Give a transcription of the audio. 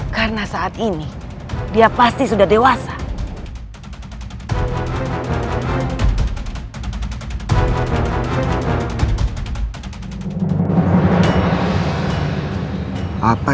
mereka bisa menempati tempat disana